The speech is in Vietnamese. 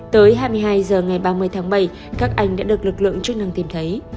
tới hai mươi hai h ngày ba mươi tháng bảy các anh đã được lực lượng chức năng tìm thấy